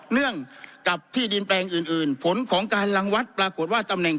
เรื่องกับที่ดินแปลงอื่นอื่นผลของการรังวัดปรากฏว่าตำแหน่ง